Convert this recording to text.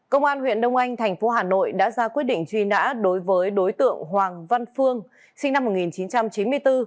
công an huyện đông anh thành phố hà nội đã ra quyết định truy nã đối với đối tượng hoàng văn phương sinh năm một nghìn chín trăm chín mươi bốn